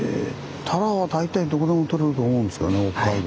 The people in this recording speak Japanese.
たらは大体どこでも取れると思うんですけどね北海道。